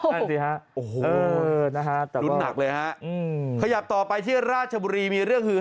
นั่นสิฮะโอ้โฮเนี่ยฮะดุหนักเลยฮะอืมขยับต่อไปที่ราชบุรีมีเรื่องเฮื